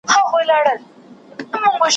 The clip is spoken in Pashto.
نښانې یې د خپل مرګ پکښي لیدلي ,